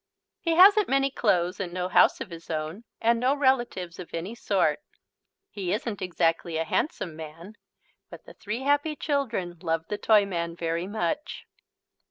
He hasn't many clothes and no house of his own and no relatives of any sort. He isn't exactly a handsome man. But the three happy children love the Toyman very much.